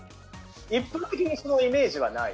一般的にそのイメージはない。